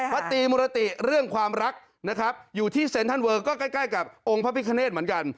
พระตรีมุรติเรื่องความรักนะครับอยู่ที่เซ็นทรัลเวอร์ก็ใกล้กับองค์พระพิคเนธเหมือนกัน